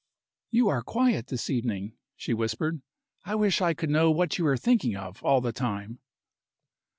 "You are quiet this evening," she whispered. "I wish I could know what you are thinking of all the time."